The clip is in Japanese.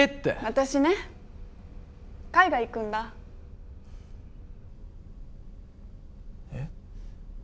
私ね海外行くんだ。え？